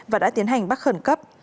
và đã tiến hành bắt khẩn cấp